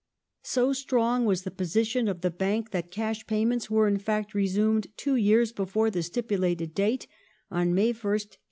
So strong was the position of the Bank that cash payments were in fact resumed two yeai s before the stipulated date — on May 1st, 1821.